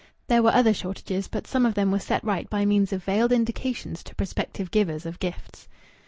There were other shortages, but some of them were set right by means of veiled indications to prospective givers of gifts.